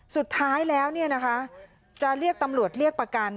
สุดท้ายแล้วจะเรียกตำรวจเรียกประกัน